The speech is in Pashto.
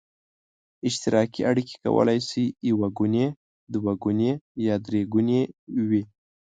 اشتراکي اړیکې کولای شي یو ګوني، دوه ګوني یا درې ګوني وي.